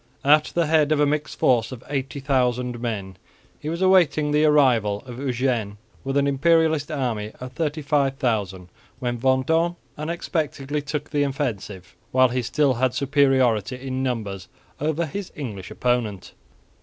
At the head of a mixed force of 80,000 men he was awaiting the arrival of Eugene with an Imperialist army of 35,000, when Vendôme unexpectedly took the offensive while he still had superiority in numbers over his English opponent.